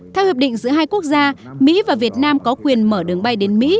theo hiệp định giữa hai quốc gia mỹ và việt nam có quyền mở đường bay đến mỹ